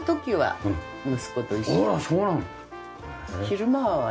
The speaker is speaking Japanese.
昼間は私。